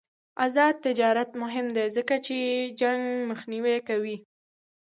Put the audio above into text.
آزاد تجارت مهم دی ځکه چې جنګ مخنیوی کوي.